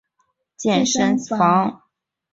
健身房器材还蛮齐全的